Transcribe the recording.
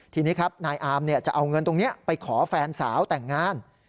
ทีนี้ครับนายอามจะเอาเงินตรงนี้ไปขอแฟนสาวแต่งงาน